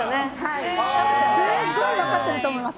すっごい分かってると思います。